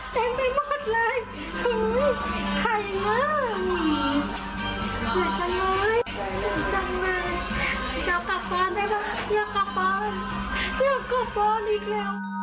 เจ้ากลับบ้านได้ปะอยากกลับบ้านอยากกลับบ้านอีกแล้ว